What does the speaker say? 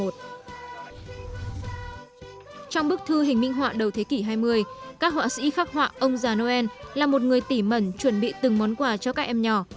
trong bức thư hình minh họa đầu thế kỷ hai mươi các họa sĩ khắc họa ông già noel là một người tỉ mẩn chuẩn bị từng món quà cho các em nhỏ